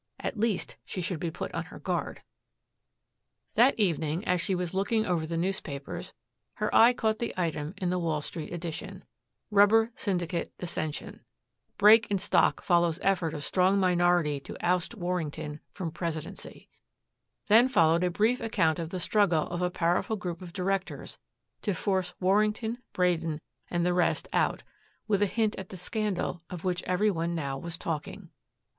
"At least, she should be put on her guard." That evening, as she was looking over the newspapers, her eye caught the item in the Wall Street edition: RUBBER SYNDICATE DISSENSION Break in Stock Follows Effort of Strong Minority to Oust Warrington from Presidency Then followed a brief account of the struggle of a powerful group of directors to force Warrington, Braden, and the rest out, with a hint at the scandal of which every one now was talking.